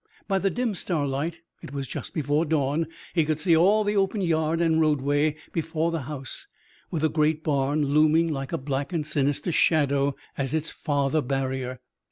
By the dim starlight it was just before dawn he could see all of the open yard and roadway before the house, with the great barn looming like a black and sinister shadow as its farther barrier.